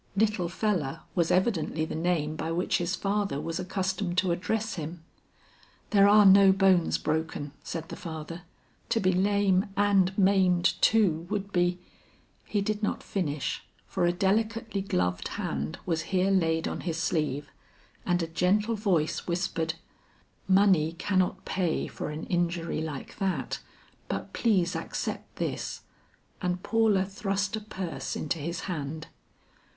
"Little feller" was evidently the name by which his father was accustomed to address him. "There are no bones broken," said the father. "To be lame and maimed too would be " He did not finish, for a delicately gloved hand was here laid on his sleeve, and a gentle voice whispered, "Money cannot pay for an injury like that, but please accept this;" and Paula thrust a purse into his hand.